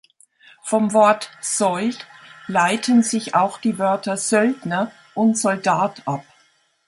Vom Wort "Sold" leiten sich auch die Wörter "Söldner" und "Soldat" ab.